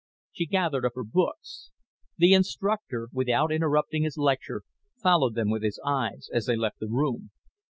She gathered up her books. The instructor, without interrupting his lecture, followed them with his eyes as they left the room.